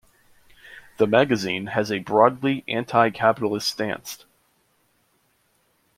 The magazine has a broadly anti-capitalist stance.